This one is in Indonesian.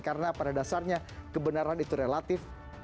karena pada dasarnya kebenaran itu relatif